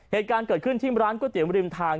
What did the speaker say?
เหตุการณ์เกิดขึ้นที่ร้านกฏิมริมทาง